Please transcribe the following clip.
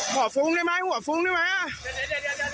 หัวฟุ้งได้ไหมหัวฟุ้งได้ไหม